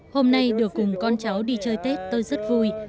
hôm nay được cùng con cháu đi chơi tết tôi rất vui